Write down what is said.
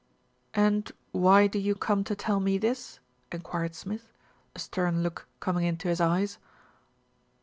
"And why do you come to tell me this?" enquired Smith, a stern look coming into his eyes.